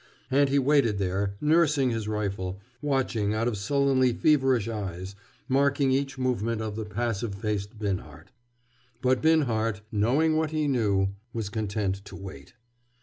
And he waited there, nursing his rifle, watching out of sullenly feverish eyes, marking each movement of the passive faced Binhart. But Binhart, knowing what he knew, was content to wait.